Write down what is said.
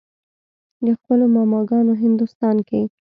د خپلو ماما ګانو هندوستان کښې